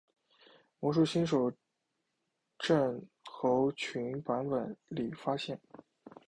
魔术新手症候群版本里发现。